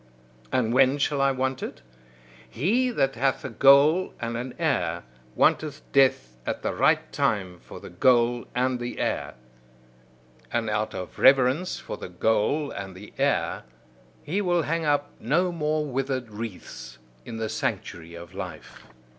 And when shall I want it? He that hath a goal and an heir, wanteth death at the right time for the goal and the heir. And out of reverence for the goal and the heir, he will hang up no more withered wreaths in the sanctuary of life.